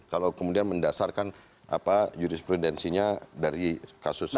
kalau kemudian mendasarkan jurisprudensinya dari kasus ini